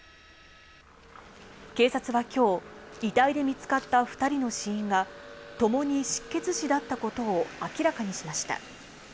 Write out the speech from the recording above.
警察は今日、遺体で見つかった２人の死因がともに失血死だったことを明らかにしました。